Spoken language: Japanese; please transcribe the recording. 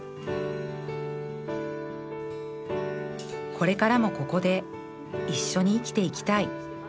これからもここで一緒に生きていきたい